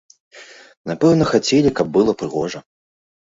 Напэўна, хацелі, каб было прыгожа.